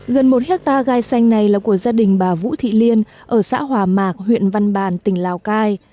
gần một hectare gai xanh này là của gia đình bà vũ thị liên ở xã hòa mạc huyện văn bàn tỉnh lào cai